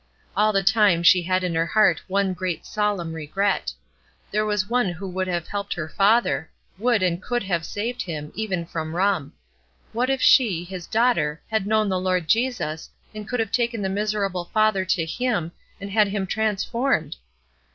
All the time she had in her heart one great solemn regret. There was one who would have helped her father; would and could have saved him, even from rum. What if she, his daughter, had known the Lord Jesus, and could have taken the miserable father to Him and had him transformed!